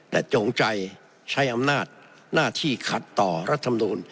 และจงใจใช้อำนาจหน้าที่ขัดต่อรัฐบาลธรรมดุล